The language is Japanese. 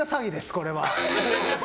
これは。